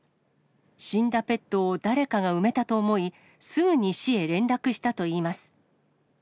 死んだペットを誰かが埋めたと思い、すぐに市へ連絡したといいます。